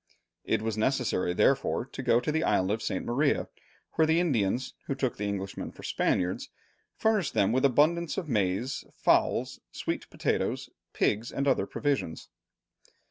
It was necessary therefore to go to the island of St. Maria, where the Indians, who took the Englishmen for Spaniards, furnished them with abundance of maize, fowls, sweet potatoes, pigs, and other provisions.